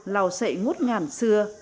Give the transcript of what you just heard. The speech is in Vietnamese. lào sệ ngút ngàn xưa